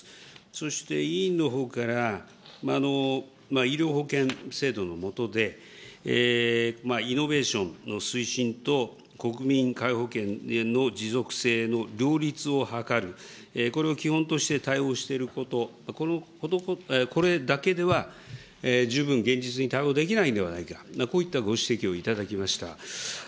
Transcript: そして、委員のほうから医療保険制度の下で、イノベーションの推進と国民皆保険の持続性の両立を図る、これを基本として対応していること、これだけでは十分現実に対応できないんではないか、こういったご指摘をいただきました。